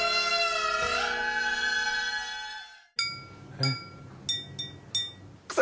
えっ？